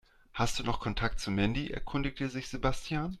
"Hast du noch Kontakt zu Mandy?", erkundigte sich Sebastian.